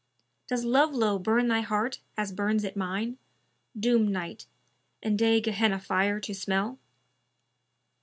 Does love lowe burn thy heart as burns it mine, * Doomed night and day Gehenna fire to smell?'"